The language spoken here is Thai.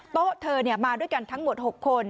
โต๊ะเธอมาด้วยกันทั้งหมด๖คน